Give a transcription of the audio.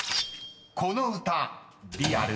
［この歌リアル？